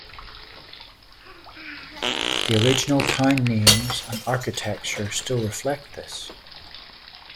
The original town names and architecture still reflect this.